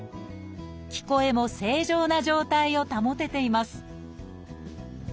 聞こえも正常な状態を保てています